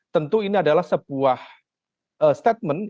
tentu ini adalah sebuah statement